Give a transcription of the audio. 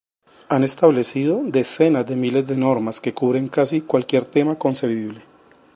Han establecido decenas de miles de normas que cubren casi cualquier tema concebible.